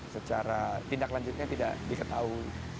secara tindak lanjutnya tidak diketahui